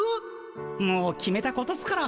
もう決めたことっすから。